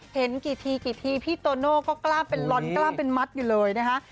เห็นกี่ทีกี่ทีพี่โตโน่ก็กล้ามเป็นลอนกล้ามเป็นมัดอยู่เลยนะคะ